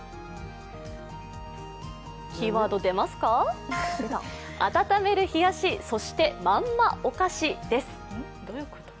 キーワードは、温める冷やし、そしてまんまお菓子です。